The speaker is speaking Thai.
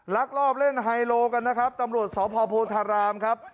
ลักลอบเล่นไฮโลกันนะครับตำรวจสพโพธารามครับ